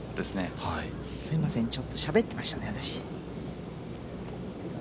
すみません、ちょっとしゃべってましたね、私。